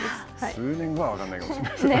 数年後は分からないかもしれない。